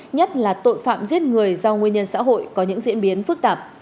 nhất là tội phạm giết người do nguyên nhân xã hội có những diễn biến phức tạp